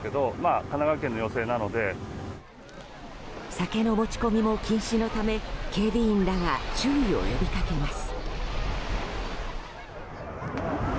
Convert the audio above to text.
酒の持ち込みも禁止のため警備員らが注意を呼びかけます。